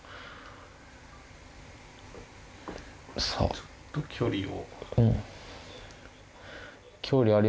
ちょっと距離を。